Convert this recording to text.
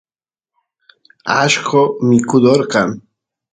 allqo mikudor kan